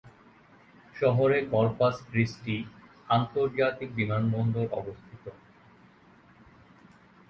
শহরে Corpus Christi আন্তর্জাতিক বিমানবন্দর অবস্থিত।